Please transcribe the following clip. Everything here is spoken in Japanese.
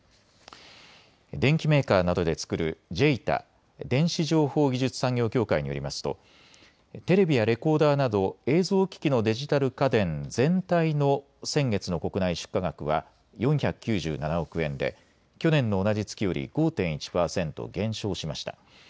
電機メーカーなどで作るＪＥＩＴＡ・電子情報技術産業協会によりますとテレビやレコーダーなど映像機器のデジタル家電全体の先月の国内出荷額は４９７億円で去年の同じ月より５．１％減少しました。